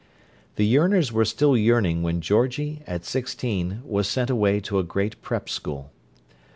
The yearners were still yearning when Georgie, at sixteen, was sent away to a great "Prep School."